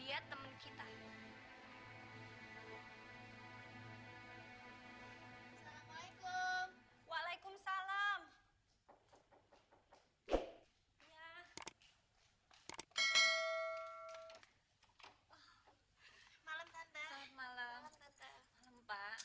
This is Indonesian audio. jalan kung jalan se di sini ada pesta besar besaran